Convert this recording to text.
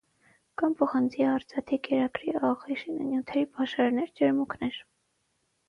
Կան պղնձի, արծաթի, կերակրի աղի, շինանյութերի պաշարներ, ջերմուկներ։